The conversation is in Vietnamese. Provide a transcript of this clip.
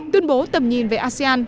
tuyên bố tầm nhìn về asean